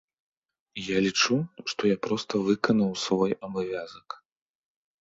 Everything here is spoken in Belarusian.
І я лічу, што я проста выканаў свой абавязак.